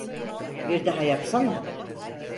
Bir daha yapsana.